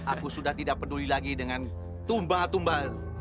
aku sudah tidak peduli lagi dengan tumba tumba